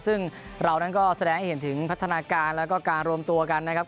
ซึ่งเรานั้นก็แสดงให้เห็นถึงพัฒนาการแล้วก็การรวมตัวกันนะครับ